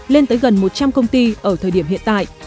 lên tới gần một trăm linh công ty ở thời điểm hiện tại